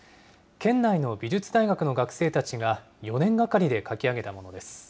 県内の美術大学の学生たちが４年がかりで描き上げたものです。